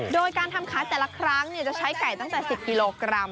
โดยการทำขายแต่ละครั้งจะใช้ไก่ตั้งแต่๑๐กิโลกรัม